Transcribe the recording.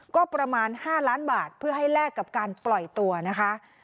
ก็ประมาณ๕ล้านบาทเพื่อให้แลกกับการปล่อยตัวนะคะ